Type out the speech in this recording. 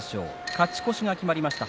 勝ち越しが決まりました。